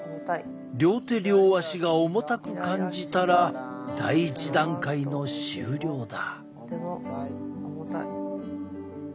両手両足が重たく感じたら第１段階の終了だ。